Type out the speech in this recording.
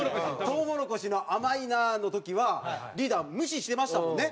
トウモロコシの「甘いな」の時はリーダー無視してましたもんね。